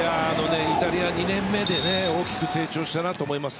イタリア２年目で大きく成長したと思います。